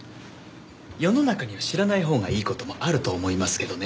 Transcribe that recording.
世の中には知らないほうがいい事もあると思いますけどね